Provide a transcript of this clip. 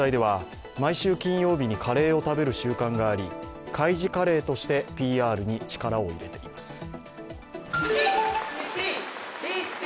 海上自衛隊では毎週金曜日にカレーを食べる習慣があり海自カレーとしてＰＲに力を入れています。